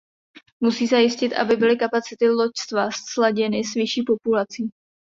Musí zajistit, aby byly kapacity loďstva sladěny s výší populací.